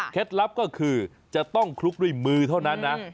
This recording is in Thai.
ลับก็คือจะต้องคลุกด้วยมือเท่านั้นนะ